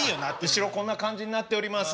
後ろこんな感じになっております。